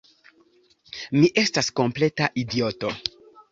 Mi estas kompleta idioto!